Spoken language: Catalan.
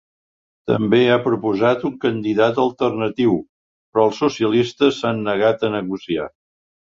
També ha proposat un candidat alternatiu, però els socialistes s’han negat a negociar.